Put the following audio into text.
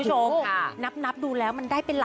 ชอบเนาะ